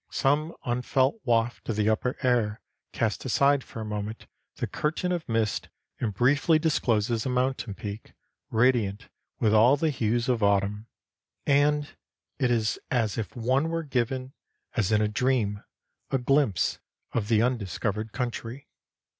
Some unfelt waft of the upper air casts aside for a moment the curtain of mist and briefly discloses a mountain peak, radiant with all the hues of autumn, and it is as if one were given, as in a dream, a glimpse of the undiscovered country.